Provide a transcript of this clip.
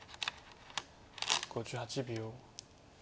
５８秒。